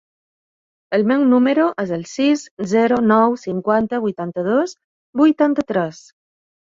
El meu número es el sis, zero, nou, cinquanta, vuitanta-dos, vuitanta-tres.